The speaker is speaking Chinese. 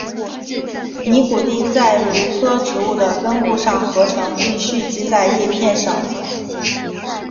尼古丁在茄科植物的根部上合成并蓄积在叶片上。